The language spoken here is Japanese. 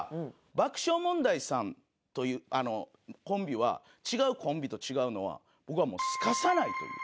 爆笑問題さんというコンビは違うコンビと違うのは僕はもうスカさないという。